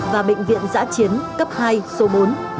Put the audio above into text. và bệnh viện giải chiến cấp hai số bốn của chúng ta